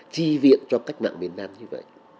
chi viện cho cách mạng miền nam như vậy